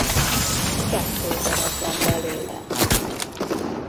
Kettő darab van belőle.